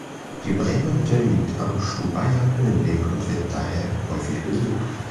Die Bremer Hütte liegt am Stubaier Höhenweg und wird daher häufig besucht.